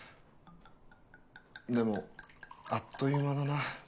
でもあっという間だな。